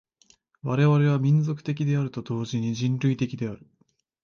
我々は民族的であると同時に人類的である。